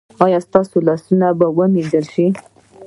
ایا ستاسو لاسونه به وینځل شي؟